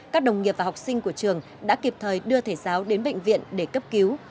các đồng nghiệp và học sinh của trường đã kịp thời đưa thầy giáo đến bệnh viện để cấp cứu